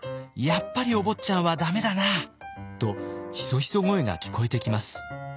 やっぱりお坊ちゃんはダメだな」とひそひそ声が聞こえてきます。